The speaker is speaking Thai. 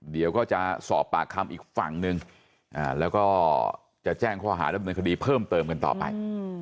เดี๋ยวก็จะสอบปากคำอีกฝั่งหนึ่งแล้วก็จะแจ้งข้อหาดำเนินคดีเพิ่มเติมกันต่อไป